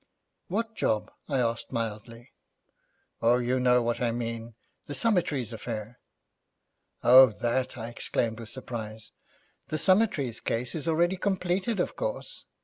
'What job?' I asked mildly. 'Oh, you know what I mean: the Summertrees affair.' 'Oh, that!' I exclaimed, with surprise. 'The Summertrees case is already completed, of course.